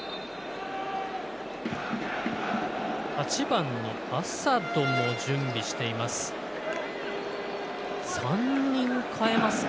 ８番のアサドも準備しています。